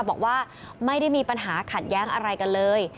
บอกว่าไม่ได้มีปัญหาขัดแย้งอะไรกันเลย